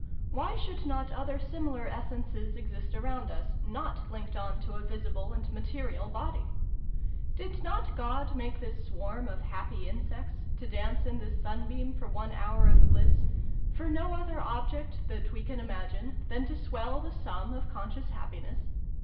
Why should not other similar essences exist around us, not linked on to a visible and material body ? Did not God make this swarm of happy in sects, to dance in this sunbeam for one hour of bliss, for no other object, that we can imagine, than to swell . the sum of conscious happiness